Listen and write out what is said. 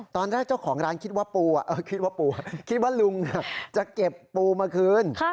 ตอนแรกเจ้าของร้านคิดว่าปูคิดว่าปูคิดว่าลุงจะเก็บปูมาคืน